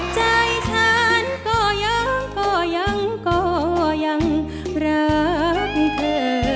ใจฉันก็ยังก็ยังรักคุณเธอ